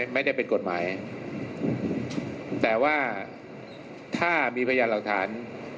ไม่ได้เป็นกฎหมายแต่ว่าถ้ามีพยานหลักฐาน